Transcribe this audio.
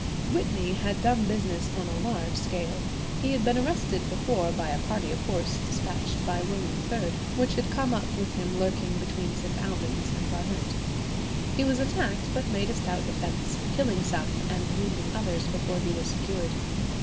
Whitney had done business on a large scale. He had been arrested before by a party of horse despatched by William III, which had come up with him lurking between St. Alban's and Barnet. He was attacked, but made a stout defence, killing some and wounding others before he was secured.